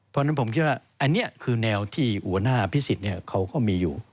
เพราะฉะนั้นผมคิดว่าอันนี้คือแนวที่หัวหน้าพิสิทธิ์เขาก็มีอยู่